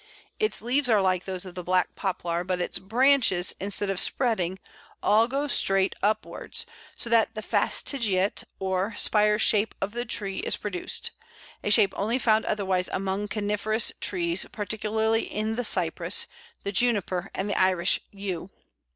Its leaves are like those of the Black Poplar, but its branches, instead of spreading, all grow straight upwards, so that the fastigiate or spire shape of the tree is produced a shape only found otherwise among coniferous trees, particularly in the Cypress, the Juniper and the Irish Yew.